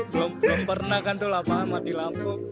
belum pernah kan tuh lah paham mati lampu